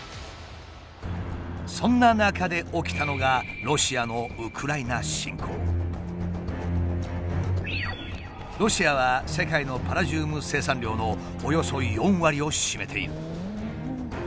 そんな中で起きたのがロシアは世界のパラジウム生産量のおよそ４割を占めている。